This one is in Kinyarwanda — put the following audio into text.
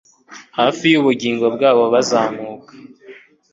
Hafi yubugingo bwabo buzamuka